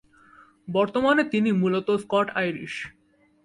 বর্তমানে তিনি মূলত স্কট-আইরিশ।